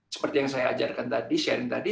seperti yang saya ajarkan tadi